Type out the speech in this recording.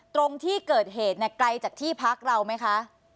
ตรงที่เกิดเหตุเนี่ยไกลจากที่พักเราไหมคะ